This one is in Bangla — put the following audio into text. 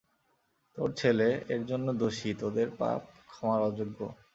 তোর ছেলে এর জন্য দোষী, তোদের পাপ ক্ষমার অযোগ্য।